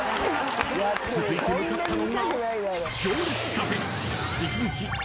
［続いて向かったのが］